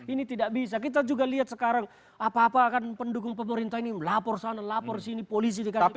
ini tidak bisa kita juga lihat sekarang apa apa kan pendukung pemerintah ini lapor sana lapor sini polisi dikasih